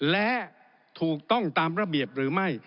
และถูกต้องตามระเบียบหรือไม่